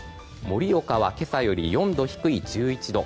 盛岡は今朝より４度低い１１度。